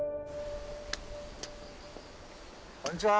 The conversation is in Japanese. こんにちは。